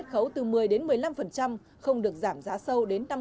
khấu từ một mươi đến một mươi năm không được giảm giá sâu đến năm mươi